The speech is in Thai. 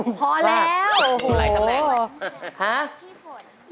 พร์นแหลม